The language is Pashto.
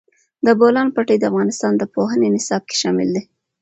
د بولان پټي د افغانستان د پوهنې نصاب کې شامل دي.